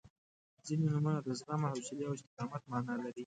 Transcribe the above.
• ځینې نومونه د زغم، حوصلې او استقامت معنا لري.